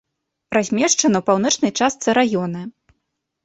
Размешчана ў паўночнай частцы раёна.